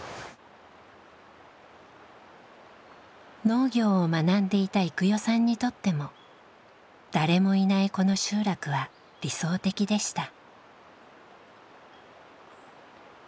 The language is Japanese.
農業を学んでいた郁代さんにとっても誰もいないこの集落は理想的でした。